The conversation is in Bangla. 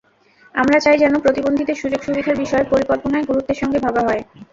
আমরা চাই যেন প্রতিবন্ধীদের সুযোগ–সুবিধার বিষয় পরিকল্পনায় গুরুত্বের সঙ্গে ভাবা হয়।